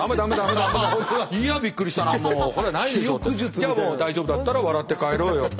じゃあもう大丈夫だったら笑って帰ろうよと。